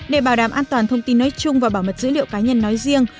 để bảo đảm an toàn thông tin nói chung và bảo mật dữ liệu cá nhân nói riêng